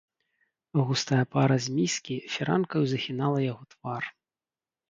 Густая пара з міскі фіранкаю захінала яго твар.